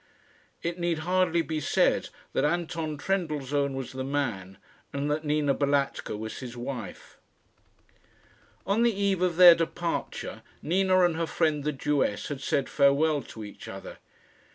It need hardly be said that Anton Trendellsohn was the man, and that Nina Balatka was his wife. On the eve of their departure, Nina and her friend the Jewess had said farewell to each other.